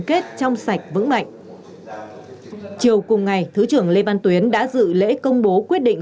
kết trong sạch vững mạnh chiều cùng ngày thứ trưởng lê văn tuyến đã dự lễ công bố quyết định